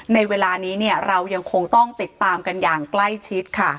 ในเวลานี้เนี่ยเรายังคงต้องติดตามกันอย่างใกล้ชิดค่ะ